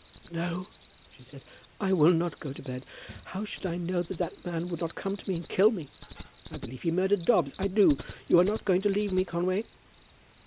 "No," she said. "I will not go to bed. How should I know that that man would not come to me and kill me? I believe he murdered Dobbs; I do. You are not going to leave me, Conway?"